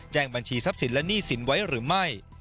บัญชีทรัพย์สินและหนี้สินไว้หรือไม่